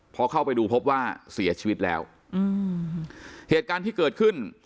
พอเข้าไปดูพบว่าเสียชีวิตแล้วอืมเหตุการณ์ที่เกิดขึ้น